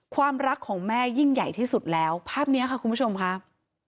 ความรักของแม่ยิ่งใหญ่ที่สุดแล้วภาพนี้ค่ะคุณผู้ชมครับ